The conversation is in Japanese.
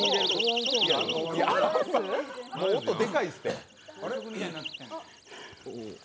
もう音でかいですって。